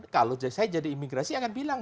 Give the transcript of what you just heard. kalau saya jadi imigrasi akan bilang